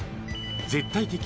絶対的